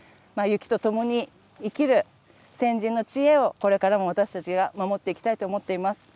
雪とともに生きる先人の知恵をこれからも私たちが守っていきたいと思っています。